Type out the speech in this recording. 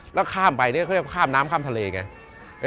แล้วข้ามไปเนี่ยเขาเรียกว่าข้ามน้ำข้ามทะเลไง